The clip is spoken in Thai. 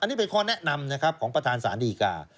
อันนี้เป็นข้อแนะนำนะครับของประธานศาลดีกา